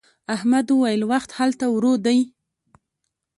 احمد وويل: وخت هلته ورو دی.